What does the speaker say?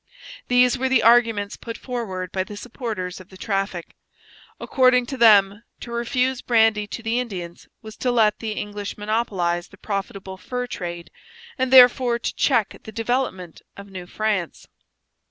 These were the arguments put forward by the supporters of the traffic. According to them, to refuse brandy to the Indians was to let the English monopolize the profitable fur trade, and therefore to check the development of New France.